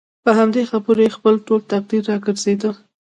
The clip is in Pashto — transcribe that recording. په همدې خبرو یې خپل ټول تقریر راڅرخېده.